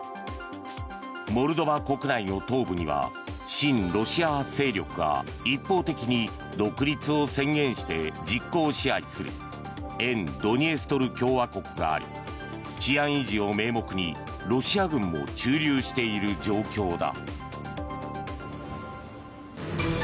モルドバ国内の東部には親ロシア派勢力が一方的に独立を宣言して実効支配する沿ドニエストル共和国があり治安維持を名目にロシア軍も駐留している状況だ。